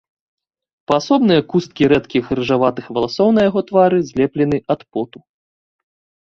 Паасобныя кусткі рэдкіх рыжаватых валасоў на яго твары злеплены ад поту.